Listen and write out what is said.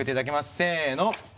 せの！